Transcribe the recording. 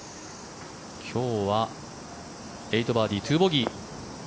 今日は８バーディー、２ボギー。